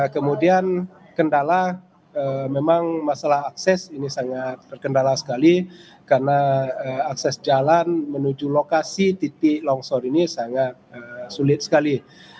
kemudian kendala memang masalah akses ini sangat terkendala sekali karena akses jalan menuju lokasi titik longsor ini sangat sulit sekali